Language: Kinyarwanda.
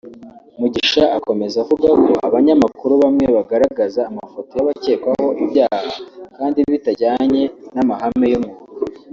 Mugisha akomeza avuga ko abanyamakuru bamwe bagaragaza amafoto y’abacyekwaho ibyaha kandi bitajyanye n’amahame y’umwuga